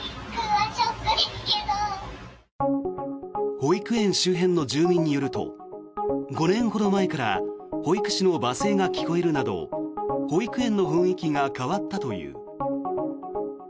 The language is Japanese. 保育園周辺の住民によると５年ほど前から保育士の罵声が聞こえるなど保育園の雰囲気が変わったという。